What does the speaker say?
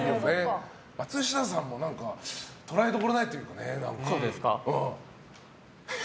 松下さんも捉えどころがないっていうかね。